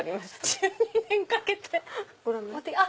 １２年かけて⁉ご覧になりますか？